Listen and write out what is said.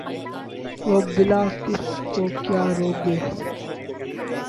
وہ بلا کس کو کیا روک گے ۔